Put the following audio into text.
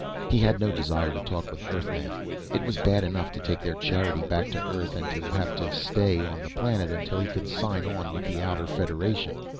He had no desire to talk with Earthmen. It was bad enough to take their charity back to Earth and to have to stay on the planet until he could sign on with the Outer Federation.